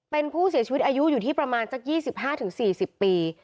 เป็นผู้เสียชีวิตอายุอยู่ที่ประมาณสัก๒๕๔๐ปี